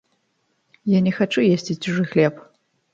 Я не хачу есці чужы хлеб.